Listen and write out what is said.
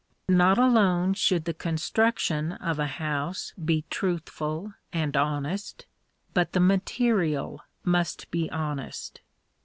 Not alone should the construction of a house be truthful and honest, but the material must be honest.